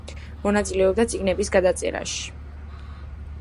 მონაწილეობდა წიგნების გადაწერაში.